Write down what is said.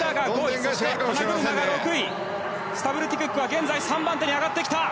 スタブルティ・クックは現在３番手に上がってきた。